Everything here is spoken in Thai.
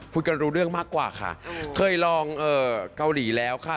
คุยกันรู้เรื่องมากกว่าค่ะเคยลองเกาหลีแล้วค่ะ